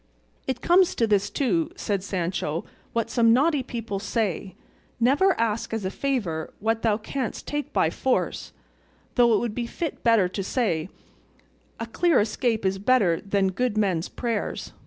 "It comes to this, too," said Sancho, "what some naughty people say, 'Never ask as a favour what thou canst take by force;' though it would fit better to say, 'A clear escape is better than good men's prayers.